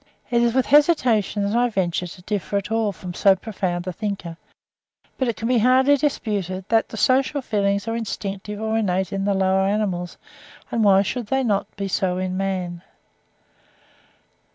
It is with hesitation that I venture to differ at all from so profound a thinker, but it can hardly be disputed that the social feelings are instinctive or innate in the lower animals; and why should they not be so in man?